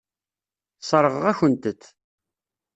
Sseṛɣeɣ-akent-t.